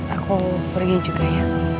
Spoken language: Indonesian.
aku pergi juga ya